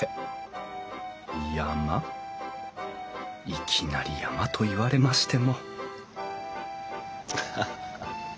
いきなり山と言われましてもハハ。